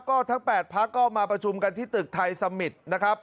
ก็ทั้ง๘พักก็มาประชุมกันที่ตึกไทยสมิตรนะครับ